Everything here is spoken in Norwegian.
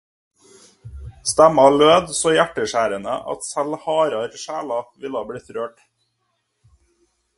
Stemmer lød så hjerteskjærende at selv hardere sjeler ville bli rørt.